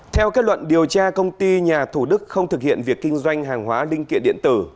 theo kết luận điều tra công ty nhà thủ đức không thực hiện việc kinh doanh hàng hóa linh kiện điện tử